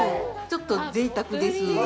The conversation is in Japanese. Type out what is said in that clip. ちょっとぜいたくです。